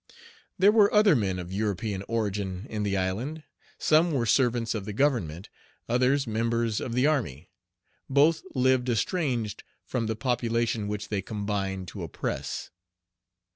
There were other men of European origin in the island. Some were servants of the Government; others members of the army; both lived estranged from the population which they combined to oppress.